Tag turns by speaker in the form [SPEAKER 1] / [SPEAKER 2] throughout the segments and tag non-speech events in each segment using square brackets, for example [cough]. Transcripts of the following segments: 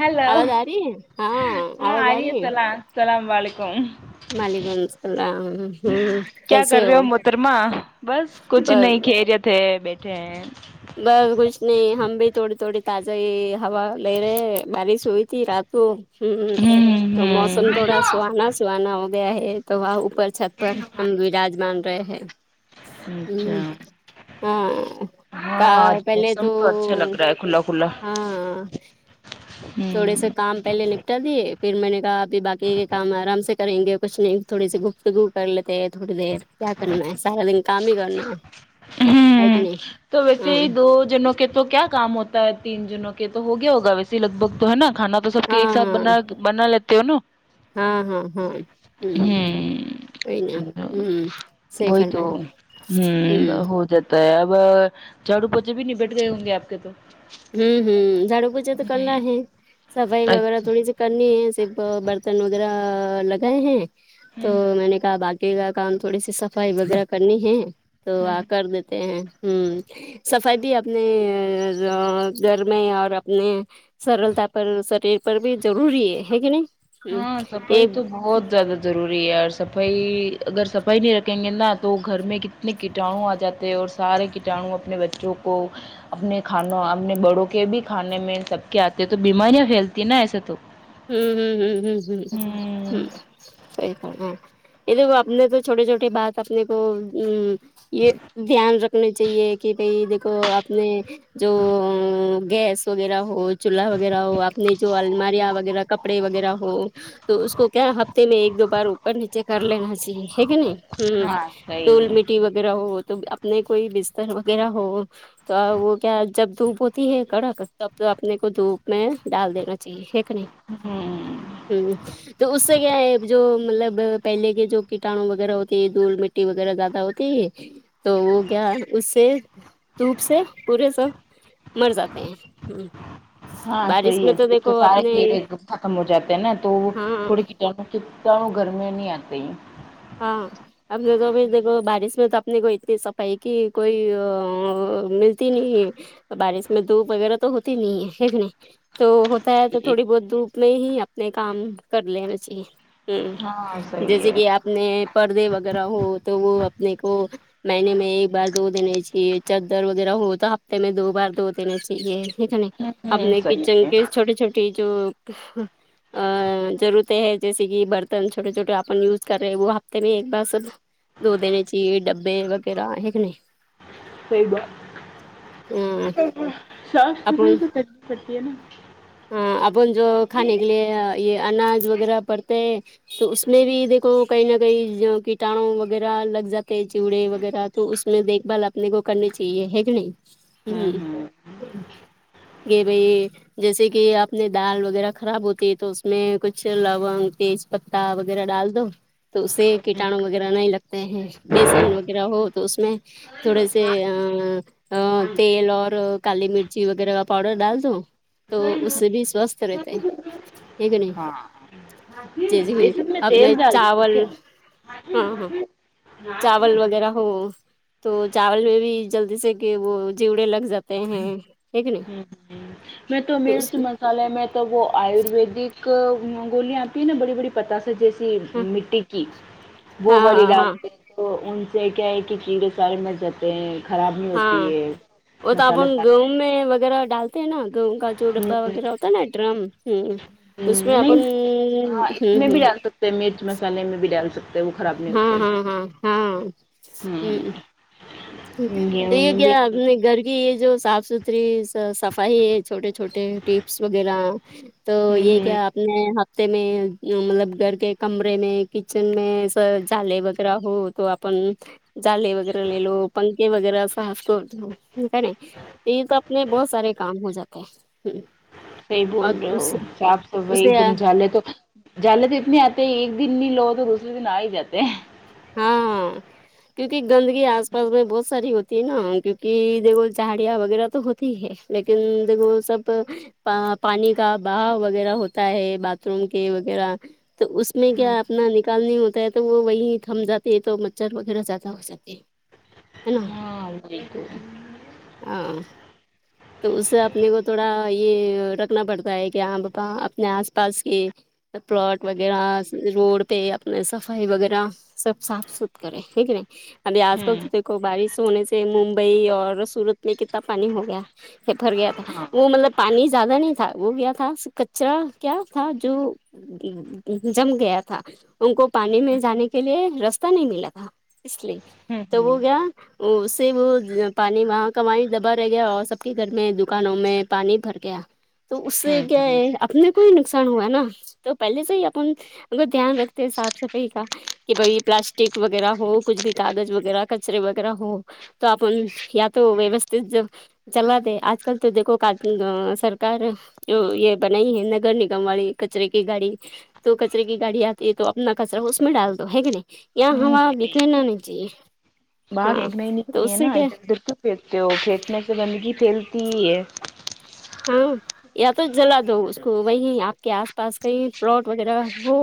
[SPEAKER 1] hello
[SPEAKER 2] آواز آ رہی ہے
[SPEAKER 1] ہاں
[SPEAKER 2] آواز
[SPEAKER 1] آ ری ہے
[SPEAKER 2] رہی
[SPEAKER 1] سلام سلام وعلیکم
[SPEAKER 2] وعلیکم السلام ہمم
[SPEAKER 1] کیا کر
[SPEAKER 2] کیسے
[SPEAKER 1] رہے
[SPEAKER 2] ہو
[SPEAKER 1] محترمہ بس کچھ نہیں
[SPEAKER 2] بس
[SPEAKER 1] خیر یت ہے بیٹھے ہیں
[SPEAKER 2] بس کچھ نہیں ہم بھی تھوڑی تھوڑی تازہ ہی ہوا لے رہے ہیں بارش ہوئی تھی رات تو ہمم تو موسم تھوڑا
[SPEAKER 1] ہمم
[SPEAKER 2] سہانا سہانا ہو گیا ہے تو وہاں اوپر چھت پر ہم وراجمان رہے ہیں
[SPEAKER 1] اچھا
[SPEAKER 2] ہمم ہاں
[SPEAKER 1] ہاں
[SPEAKER 2] کا
[SPEAKER 1] آج
[SPEAKER 2] پہلے تو
[SPEAKER 1] موسم اچھا لگ رہا ہے کھلا کھلا
[SPEAKER 2] ہاں تھوڑے
[SPEAKER 1] ہمم
[SPEAKER 2] سے کام پہلے نپٹا دیے پھر میں نے کہا ابھی باقی کے کام آرام سے کریں گے کچھ نہیں تھوڑی سی گفتگو کر لیتے تھوڑی دیر کیا کرنا ہے سارا دن کام ہی کرنا ہےہے کہ نہیں ہاں
[SPEAKER 1] وہ جنوں کہ تو کیا کام ہوتا ہے تین جنوں کے تو ہو گیا ہوگا ویسے لگ بگ تو ہے نا کھانا تو سب کے ایک
[SPEAKER 2] ہاں
[SPEAKER 1] ساتھ
[SPEAKER 2] ہاں
[SPEAKER 1] بنا بنا لیتے ہو نا
[SPEAKER 2] ہاں ہاں ہاں ہمم کوئی نا
[SPEAKER 1] ہمم
[SPEAKER 2] ہوں صحیح
[SPEAKER 1] وہی
[SPEAKER 2] فر
[SPEAKER 1] تو ہمم ہو جات تا با جھاڑو پوچے بھی نبٹ گئے ہوں گے آپ کے تو
[SPEAKER 2] ہوں ہمم جھا ڑو پوچے تو کرنا ہے صفائی وغیرہ
[SPEAKER 1] اچھا
[SPEAKER 2] تھوڑی سی کرنی ہے صرف برتن وغیرہ لگائے ہیں تو
[SPEAKER 1] ہوں
[SPEAKER 2] میں نے کہا باق ی کا کام تھوڑی سی صفائی وغیرہ کرنی ہے تو آ
[SPEAKER 1] ہوں
[SPEAKER 2] کر دیتے ہیں ہمم صفائی بھی اپنے ا گھر میں اور اپنے سرلتا پن سریر پر بھی ضروری ہے ہے کہ نہیں ہ
[SPEAKER 1] ہاں صفاںی
[SPEAKER 2] ایک
[SPEAKER 1] تو بہت ضرر ضروری ہے اور صفائی اگر صفائی نہیں رکھیں گے نا تو گھر میں کتنے کیٹانو آ جاتے ہیں اور سارے کٹانو اپنے بچوں کو اپنے کھانو اپنے بڑوں کے بھی کھانے میں سب کے آتے ہیں تو بیماریاں پھیلتی ہیں نا ایسے تو
[SPEAKER 2] امم امم امم
[SPEAKER 1] ہوں
[SPEAKER 2] امم صحیح فرماںے یہ دیکھو اپنے تو چھوٹے چھوٹے بات اپنے کو امم یہ دھیان رکھنے چاہیے کہ بھاںی دیکھو اپنے جو امم گیس وغیرہ ہو چولہا وغیرہ ہو اپنی جو الماریاں وغ وغیرہ کپڑے وغیرہ ہو تو اس کو کیا ہفتے میں ایک دو بار اوپر نیچے کر لینا چاہیے ہےکہ نہیں ہوں
[SPEAKER 1] ہاں
[SPEAKER 2] دھول
[SPEAKER 1] صحیح
[SPEAKER 2] مٹی وغیرہ ہو تو اپنے کوئی بستر وغیرہ ہو تا وہ کیا جب دھوپ ہوتی ہے کڑک تب تو اپنے کو دھوپ میں ڈال دینا چاہیے بےشک نہیں
[SPEAKER 1] اممم
[SPEAKER 2] امم تو اس سے کیا ہے جو مطلب پہلے کے جو کٹانو وغیرہ ہوتی ہے ڈھول مٹی ٹی وغیرہ زیادہ ہوتی تو وہ کیا اس سے دھوپ سے پورے زخم مر جاتے ہیں امم
[SPEAKER 1] ہاں
[SPEAKER 2] بارش
[SPEAKER 1] صحیح
[SPEAKER 2] میں
[SPEAKER 1] ہے
[SPEAKER 2] تو
[SPEAKER 1] دھوپ
[SPEAKER 2] دیکھو
[SPEAKER 1] سے سارے
[SPEAKER 2] اپنے
[SPEAKER 1] کیڑے ختم ہو جاتے ہیں نا تو وہ
[SPEAKER 2] ہاں
[SPEAKER 1] تھوڑی کیٹینو ویٹانو گھر میں نہیں آتے ہیں
[SPEAKER 2] ہاں اپنےکوابھیچ دیکھو بارش ہوئی تو اپنے کو اتنی صفائی کی کوئیی ہاں آ آ ملتی نہیں ہے بارش میں دھوپ وغیرہ تو ہوتی نہیں ہے ہے کے نہیں تو ہوتا ہے تو تھوڑی بہت دھوپ میں ہی اپنے کام کر لینا چاہیے
[SPEAKER 1] ہاں
[SPEAKER 2] امم
[SPEAKER 1] صحیح
[SPEAKER 2] جیسے
[SPEAKER 1] ہے
[SPEAKER 2] کہ ا پنے پردے وغیرہ ہو تو وہ اپنے کو مہینے میں ایک باردھودینے چاہیے چدر وغیرہ ہو تو ہفتے میں دو بار دھو دینا چاہیے دیکھنے
[SPEAKER 1] ہوں ہوں
[SPEAKER 2] اپنے
[SPEAKER 1] صحیح
[SPEAKER 2] کچن
[SPEAKER 1] ہے
[SPEAKER 2] کے چھوٹی چھوٹی جو ہو آں ضرورتیں ہے جیسے کہ برتن چھوٹے چھوٹے اپن یوز کر رہے وہ ہفتے میں ایک بار سب دھو دینے چائیے ڈبے وغیرہ ہے کہ نہیں
[SPEAKER 1] فباایک
[SPEAKER 2] نہیں
[SPEAKER 1] منٹ سانس بھول رہی ہو تو [unintelligible]
[SPEAKER 2] ہاں اپن جو کھانے کے لیے یہ اناج وغیرہ پڑتے ہے تو اس میں بھی دیکھو کہیں نہ کہیں جو کیٹا نو وغیرہ لگ جاتے ہیں چڑے وغیرہ تو اس میں دیکھ بھال اپنے کو کرنی چاہیے ہے کہ نہیں
[SPEAKER 1] ہوں ہوں
[SPEAKER 2] امم یہ بھی جیسے کہ اپنے دال وغیرہ خراب ہوتی ہیں تو اس میں کچھ لو نگ تیز پتا وغیرہ ڈال دو تو اسے کیٹانو وغیرہ نہیں لگتے ہیں بیسن وغیرہ ہو تو اس میں تھوڑے سے ہاں تیل اور کالی مرچی وغیرہ کا پاؤڈر ڈال دو تو اس سے بھی سوستھ رہتے ہیں ہے کہ نہیں
[SPEAKER 1] ہاں
[SPEAKER 2] جیسے کہ
[SPEAKER 1] بیسن میں تیل
[SPEAKER 2] اپنے
[SPEAKER 1] ڈال دے
[SPEAKER 2] چاول
[SPEAKER 1] کیا [unintelligible]
[SPEAKER 2] ہوو تو چاول میں بھی جلدی سے کہ وہ چیوڑے لگ جاتے ہیں ہیں کہ نہیں
[SPEAKER 1] میں تو مرچ مسل دھوپکالے میں تو وہ آیورویدک گولیاں آتی ہے نا بڑی بڑی پتا جیسی
[SPEAKER 2] ہاں
[SPEAKER 1] مٹی کی وہ
[SPEAKER 2] ہاں
[SPEAKER 1] والی
[SPEAKER 2] ہاں ہاں
[SPEAKER 1] ڈالتے تو ان سے کہے کہ کیڑے سارے مرجاتے خراب نہیں ہوتی
[SPEAKER 2] ہاں
[SPEAKER 1] ہے
[SPEAKER 2] وہ تو
[SPEAKER 1] مسالے
[SPEAKER 2] اپن
[SPEAKER 1] سار
[SPEAKER 2] گیہوں میں وغیرہ ڈالتے ہیں نا گہیوں کا جو
[SPEAKER 1] ہوں
[SPEAKER 2] ڈبا وغیرہ ہوتا ہے نا ڈرم ہم اس میں
[SPEAKER 1] ہوں
[SPEAKER 2] اپن ہمم ہمم
[SPEAKER 1] سے مرچ مسالے میں بھی ڈال سکتے تو وہ خراب نہیں
[SPEAKER 2] ہاں
[SPEAKER 1] ہوتے
[SPEAKER 2] ہاں ہاں ہاں ہوں
[SPEAKER 1] ہوں
[SPEAKER 2] تو
[SPEAKER 1] گیہوں
[SPEAKER 2] یہ
[SPEAKER 1] میں
[SPEAKER 2] کیا
[SPEAKER 1] بھی
[SPEAKER 2] اپنے گھر کہ یہ جو صاف ستھری صفائی ہے چھوٹے چھوٹے ٹیپس وغیرہ تو
[SPEAKER 1] ہوں
[SPEAKER 2] یہ
[SPEAKER 1] ہوں
[SPEAKER 2] کیا آپ نیا ہفتے میں مطلب گھر کے کمرے میں کچن میں س جالے وغیرہ ہو تواپ اپ جالے وغیرہ لے لو پنکھے وغیرہ صاف کر دو کا نہیں یہ ہی تو اپنے بہت سارے کام ہو جاتے ہیں ہمم
[SPEAKER 1] صحیح بول رہے ہو صاف صفائی
[SPEAKER 2] اسے
[SPEAKER 1] اک دم جھالے تو جالے تو اتنے آتے ہیں ایک دن نہیں لو تو دوسرے دن آ ہی جات ہیں
[SPEAKER 2] ہاں کیوںکہ گندگی آس پاس میں بہت ساری ہوتی ہے نا کیونکہ دیک چاڑیاں وغیرہ تو ہو تی ہے لیکن جب وہ سب پا پانی کا بہا وغیرہ ہوتا ہے باتھ روم کے وغیرہ تو اس میں کیا اپنا نکالنے ہوتا ہے تو وہ وہی حمزہ تھے تو مچھر وغیرہ زیادہ ہو ساک ہے نہ
[SPEAKER 1] بالکل
[SPEAKER 2] ہاں تو اسے اپنے کو تھوڑا یہ رکھنا پڑتا ہے کہ ہاں پ اپنے اس پاس کے پلاٹ وغیرہ روڈ پہ اپنے صفائی وغیرہ سب صاف ست کرے ٹھیکرے ابھی اج کل
[SPEAKER 1] ہوں
[SPEAKER 2] تو دیکو بارش ہونے سے ممبئی اور سورت میں کتنا پانی ہو گیا پھر بھر گیا تو
[SPEAKER 1] ہاں
[SPEAKER 2] وہ مطلب پانی زیادہ نہیں تھا وہ کیا تھا کچرا کیا تھا جو جم گیا تھا ان کو پانی میں جانے کے لیے رستہ نہیں ملا تھا اس لیے
[SPEAKER 1] ہوں
[SPEAKER 2] تو
[SPEAKER 1] ہوں
[SPEAKER 2] وہ گیا اس سے وہ پانی وہاں کا وہ دبا رہ گیا اور سب ٹی گھر میں دکانوں میں پانی بھر گیا تو اس سے
[SPEAKER 1] ہوں
[SPEAKER 2] کیا ہے
[SPEAKER 1] ہوں
[SPEAKER 2] اپنے کو ہی نقصان ہوا نا تو پہلے سے ہی اپن اگر دھیان رکھتے ہیں صاف صفائی کا کہ بھائی پلاسٹک وغیرہ ہو کچھ بھی کاغذ وغیرہ کچرے وغیرہ ہو تو اپن یہیا تو ویوستت جن چلا دی اج کل تو دیکھو کاٹن سرکار ا یہ بنائی ہے نگر نگم والی کچرے کی گاڑی تو کچرے کی گاڑی اتی ہے تو اپنا کچرا اس میں ڈال دو ہے کے نہیں یہ ہوا
[SPEAKER 1] ہوں
[SPEAKER 2] بھیکر نہیں چاہیے
[SPEAKER 1] باہر
[SPEAKER 2] ہاں
[SPEAKER 1] ایک مہینہ
[SPEAKER 2] تو
[SPEAKER 1] کی
[SPEAKER 2] اس
[SPEAKER 1] ہے
[SPEAKER 2] سے
[SPEAKER 1] نہ
[SPEAKER 2] کیا
[SPEAKER 1] کیوں پھینکتے ہو کھینکنے سے گندگی پھیلتی ہی ہے
[SPEAKER 2] ہاں یا تو جلا دو اس کو وہی اپ کے اس پاس کہیں پلوٹ وغیرہ ہو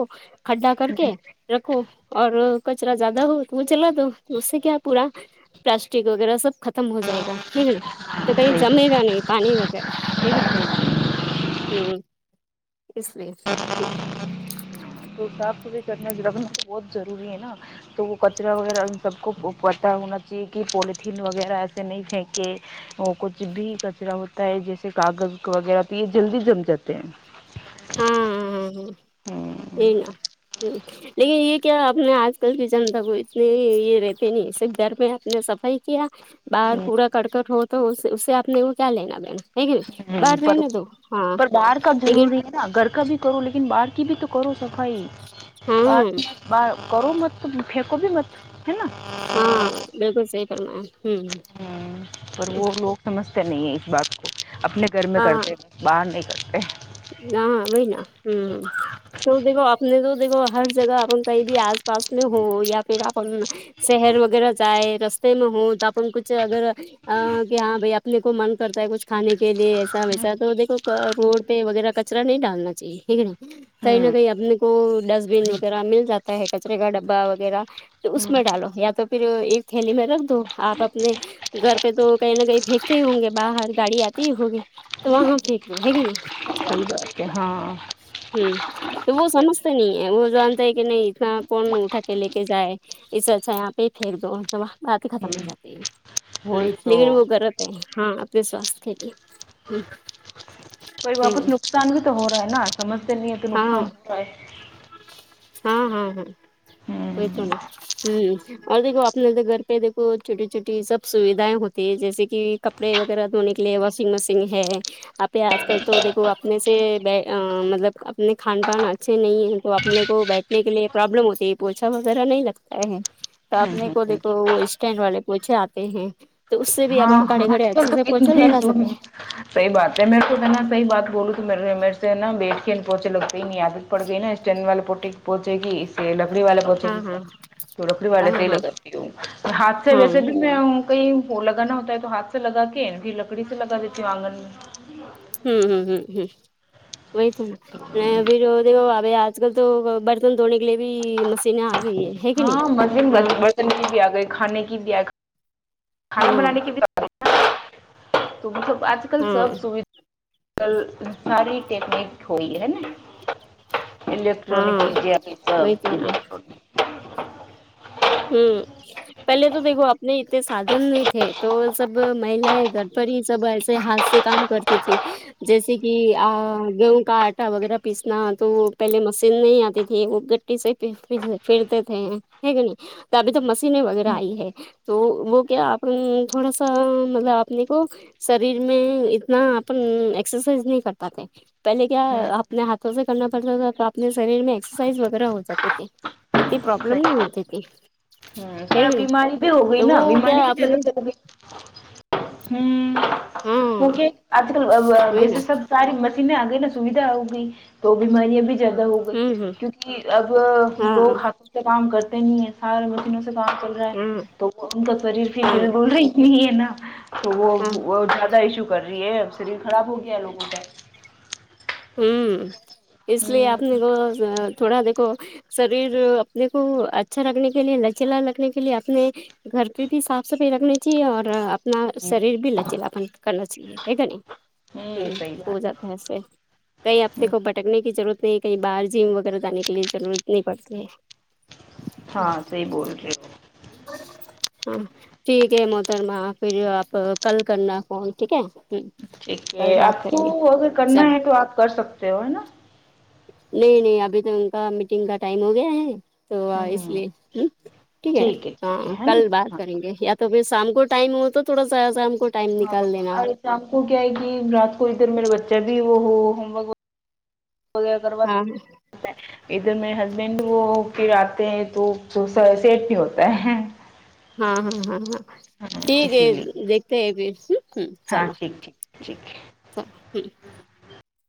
[SPEAKER 2] کھڈا کر کے رکھو اور کچرا زیادہ ہو تو وہ جلا دو اس سے کیا پورا پلاسٹک وغیرہ سب ختم ہو جائے گا ہیں کہ نہیں تو کہیں جمے گا نہیں پانی وغیرہ ہے کہ نہیں امم اسلیے
[SPEAKER 1] تو صاف ستھری کرنا بہت ضروری ہے نا تو وہ کچرا وغیرہ ان سب کو پتہ ہونا چاہیے کہ پولیتھین وغیرہ ایسے نہیں پھینکے اور کچھ بھی کچرا ہوتا ہے جیسے کاغز کا وغیرہ تو یہ جلدی جم جاتے ہیں
[SPEAKER 2] امم پھر
[SPEAKER 1] ہ
[SPEAKER 2] ہم ملکے لیکن یہ کیا اپنے آج کل کی جنتا کو اتنے یہ رہتے نہیں صرف گھر میں آپ نے صفائی کیا باہر پورا کڑ کٹ ہو تو اس سے آپ نے وہ کیا لینا دینا ہے کہ نہیں
[SPEAKER 1] ہم
[SPEAKER 2] باہر
[SPEAKER 1] پر
[SPEAKER 2] رہنے دو ہاں
[SPEAKER 1] پر باہر کا
[SPEAKER 2] لیکن
[SPEAKER 1] ضروری نہ گھر کا بھی کرو لیکن باہر کی بھی تو کرو صفائی
[SPEAKER 2] ہاں
[SPEAKER 1] بات با کرو مت تم پھینکو بھی مت ہے نا
[SPEAKER 2] ہاں بالکل صحیح فرمایا امم
[SPEAKER 1] ہوں پر وہ لوگ سمجھتے نہیں ہیں اس بات کو اپنے گھر میں کرتے ہے باہر نہیں کرتے
[SPEAKER 2] نا نے نا امم تو دیکھو اپنے تو دیکھو ہر جگہ آپ کہیں بھی آس پاس میں ہو یا پھر اپن شہر وغیرہ جائے رستے میں ہو تو اپن کچھ اگر ہاں کہ ہاں بھائی اپنے کو من کرتا ہے کچھ کھانے کے لیے ایسا ویسا تو دیھکو روڈ پے وغیرہ کچر ا نہیں ڈالنا چاہیے ہے کہ نہیں کہیں نہ
[SPEAKER 1] ہوں
[SPEAKER 2] کہیں اپنے کو ڈسٹبین وغیرہ مل جاتا ہے کچرے کا ڈبا وغیرہ اس میں ڈالو یا تو پھر ایک تھیلی میں رکھ دو آپ اپنے گھر پہ تو کہیں نہ کہیں پھینکتے ہی ہوں گے باہر گاڑی آتی ہی ہوگی تو وہاں پھینک لو ہے کی نئی کچرا
[SPEAKER 1] صحیح بات ہاں
[SPEAKER 2] امم تو وہ
[SPEAKER 1] ہ
[SPEAKER 2] سمجھتے نہیں ہے وہ جانتے ہے کہ نہیں اتنا کون اٹھا کے لے کے جائے اس سے اچھا یہاں پہ ہی پھینک دو تو بات ہی ختم ہو جاتی ہے
[SPEAKER 1] وہی تو
[SPEAKER 2] لیکن وہ غلط نہی ہے ہاں اپنے سواست کیلئے امم
[SPEAKER 1] کوئی واپس نقصان بھی تو ہو رہا ہے نا سمجھتے نہیں ہے تو
[SPEAKER 2] ہاں
[SPEAKER 1] نقصان ہو رہا ہے
[SPEAKER 2] ہاں ہاں وہی تو نا
[SPEAKER 1] ہے
[SPEAKER 2] اس سے اور دیھکو اپنے بی گھر پہ دیکھو چھوٹی چھوٹی سب سویدھائیں ہوتی ہے جیسے کہ کپڑے وغیرہ دھونے کے لیے واشنگ مشین ہے آپی آج کل تو دیکھو اپنے سے بے مطلب اپنے کھان پان اچھے نہیں ہیں تو اپنے کو بیٹھنے کے لیے پروابلم ہوتی ہے پوچھا وغیرہ نہیں لگتا ہے اپنے کو دیکھو وہ اسٹینڈ والے پوچھے آتے ہیں تو اس سے بھی اب
[SPEAKER 1] ہاں آج کل تو کتنے زورنے صحیح بات ہے مرکو ہینا صحیح بات بولوں تو میرے سے نا بیٹھ کے پونچھ لو [unintelligible] عادت پردگی نا اسٹن وال پٹی پوچے گی یہ لکڑی والے پہنچے گی
[SPEAKER 2] ہاں ہاں
[SPEAKER 1] تو لکڑی والے
[SPEAKER 2] ہاں
[SPEAKER 1] سے ہی
[SPEAKER 2] ہاں
[SPEAKER 1] لگاتی ہوں ہاتھ سے
[SPEAKER 2] ہاں
[SPEAKER 1] ویسے بھی میں ہوں کہیں وہ لگانا ہوتا ہے تو ہاتھ سے لگا کے یہ لکڑی سے لگا دیتی ہو آنگن
[SPEAKER 2] امم امم امم امم وہی تو نا میں بھی رورہی ہوں ابھی آج کل تو برتن دھونے کے لیے بھی مشینیں آ گئی ہے ہے کہ نہیں
[SPEAKER 1] ہاں مشین
[SPEAKER 2] ہاں
[SPEAKER 1] برتن کی بھی آ گئی کھانے کی بھی آ گئی کھانا
[SPEAKER 2] ہاں
[SPEAKER 1] بنانے کی بھی آگئی ہاں آج کل
[SPEAKER 2] ہاں
[SPEAKER 1] سب سویدھ کل ساری ٹیکنک ہوئی ہے نا الیکٹرانک
[SPEAKER 2] ہاں
[SPEAKER 1] میڈیا کی کیا
[SPEAKER 2] وہی
[SPEAKER 1] سب
[SPEAKER 2] تو نا
[SPEAKER 1] الیکٹرانک
[SPEAKER 2] ہوں پہلے تو دیکھو اپنے انے سادھن نہیں تھے تو سب مہیائیں گھر پر ہی سب ایسے ہاتھ سے کام کرتی تھی جیسے کہ گیہوں کا آٹا وغیرہ پیسنا تو پہلے مشین نہیں آتی تھی وہ سے پھرتے تھے ہے کی نئی ابھی تو مشینیں وغیرہ
[SPEAKER 1] ہوں
[SPEAKER 2] آئی ہے تو وہ کیا اپی تھوڑا سا مطلب آپ نے کو شریر میں اتنا اپن ایکسرسائز نہیں کر پاتے پہلے کیا
[SPEAKER 1] ہوں
[SPEAKER 2] اپنے ہاتھوں سے کرنا پڑتا تھا تو اپنے شریر میں ایکسرسائز وغیرہ ہو جاتے تھے اتی پرابلم نہیں ہوتی تھی ہے
[SPEAKER 1] اور
[SPEAKER 2] کہ
[SPEAKER 1] اب
[SPEAKER 2] نہیں
[SPEAKER 1] بیماری بھی ہو گئی
[SPEAKER 2] تو
[SPEAKER 1] نا
[SPEAKER 2] وہ کیا
[SPEAKER 1] بیماری
[SPEAKER 2] آپ
[SPEAKER 1] بھی لو
[SPEAKER 2] نے
[SPEAKER 1] چل گئی ہوں وہ
[SPEAKER 2] ہاں
[SPEAKER 1] کہ آج کل
[SPEAKER 2] وہی نا
[SPEAKER 1] جیسے سب ساری مشینیں آ گئی نا سویدھا ہوگی تو بیماریاں بھی زیادہ ہوگی گئی
[SPEAKER 2] ہوں ہ
[SPEAKER 1] کیونکہ اب لوگ
[SPEAKER 2] ہاں
[SPEAKER 1] ہاتھوں سے کام کرتے نہیں ہے سارے مشینوں سے کام کر را ہا
[SPEAKER 2] ہاں
[SPEAKER 1] تو انکا شریر بھی [unintelligible] ہی
[SPEAKER 2] ہاں
[SPEAKER 1] نہیں ہے نا تو وہ
[SPEAKER 2] ہاں
[SPEAKER 1] وہ زیادہ ایشو کر رہی ہے اب شریر خراب ہو گیا ہے لوگوں کا
[SPEAKER 2] ہوں اس لیے آپ
[SPEAKER 1] ہوں
[SPEAKER 2] نے وہ تھوڑا دیکھو شریر اپنے کو اچھا رکھنے کے لیے لچلا رکھنے کے لیے اپنے گھرکی بھی صاف صفائی رکھنی چاہیے اور ن
[SPEAKER 1] ہوں
[SPEAKER 2] شریر بھی لچل اپن کرنا چاہیے ہے کےنہیں
[SPEAKER 1] ہوں
[SPEAKER 2] ہمم
[SPEAKER 1] صحیح
[SPEAKER 2] ہو
[SPEAKER 1] بات
[SPEAKER 2] جاتا ہے ایسے کئی
[SPEAKER 1] ہوں
[SPEAKER 2] اپنےکو بھٹکنے کی ضرورت نہیں کہیں باہر جم وغیرہ جانے کے لیے ضرورت نہیں پڑتی ہے
[SPEAKER 1] ہاں صحیح بول رہے ہو
[SPEAKER 2] [unintelligible] ہاں ٹھیک ہے محترما پھر آپ کل کرنا فون ٹھیک ہے ہ
[SPEAKER 1] ٹھیک ہے
[SPEAKER 2] کل
[SPEAKER 1] آپ
[SPEAKER 2] بات
[SPEAKER 1] کو
[SPEAKER 2] کریں گے
[SPEAKER 1] اگر
[SPEAKER 2] چلو
[SPEAKER 1] کرنا ہے تو آپ کر سکتے ہو ہے نا
[SPEAKER 2] نہیں نہیں ابھی تو ان کا میٹنگ کا ٹائم ہو گیا ہے تو اس
[SPEAKER 1] ہوں
[SPEAKER 2] لیے ہمم ٹھیک ہے
[SPEAKER 1] ٹھیک ہے
[SPEAKER 2] ہاں
[SPEAKER 1] ہے نا
[SPEAKER 2] کل بات
[SPEAKER 1] ہاں
[SPEAKER 2] کریں گے یا تو پھر شام کو ٹائم ہو تو تھوڑا س شام کو ٹائم
[SPEAKER 1] ہاں
[SPEAKER 2] نکال لینا
[SPEAKER 1] اور
[SPEAKER 2] آپ
[SPEAKER 1] شام کو کیا ہے کہ رات کو ادھر میرا بچہ بھی وہ ہو ہوورک ہو گیا کر
[SPEAKER 2] ہاں
[SPEAKER 1] بات ادھر میرے ہسبینڈ وہ پھر آتے ہیں تو تو سیٹ نہیں ہوتا ہے
[SPEAKER 2] ہاں ہاں ہاں ہاں ٹھیک ہے
[SPEAKER 1] اسی لیے
[SPEAKER 2] دیکھتے ہیں پھر ہمم
[SPEAKER 1] ہاں
[SPEAKER 2] چلو
[SPEAKER 1] ٹھیک ٹھیک ٹھیک
[SPEAKER 2] چلو ہمم